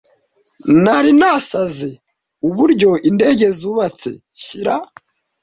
Nari nasaze uburyo indege zubatswe, nshyira